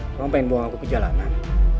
tolong pengen buang aku ke jalanan